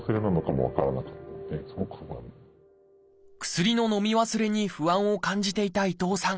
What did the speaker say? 薬ののみ忘れに不安を感じていた伊藤さん。